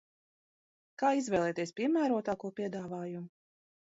Kā izvēlēties piemērotāko piedāvājumu?